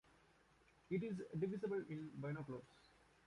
It is divisible in binoculars.